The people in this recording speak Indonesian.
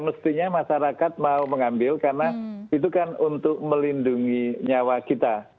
mestinya masyarakat mau mengambil karena itu kan untuk melindungi nyawa kita